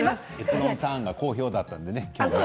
いちごのターンが好評だったのでね。